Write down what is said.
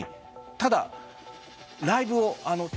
ただライブを。